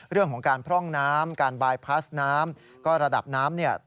เรื่องของการพร่องน้ำการบายพาสน้ำก็ระดับน้ำเนี่ย